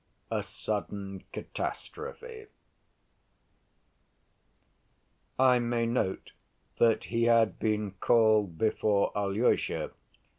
A Sudden Catastrophe I may note that he had been called before Alyosha.